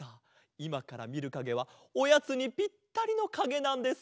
いまからみるかげはおやつにぴったりのかげなんです。